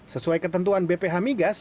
sesuai ketentuan bph migas